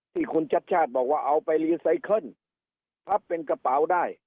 ที่คุณชัดชาติบอกว่าเอาไปรีไซเคิลพับเป็นกระเป๋าได้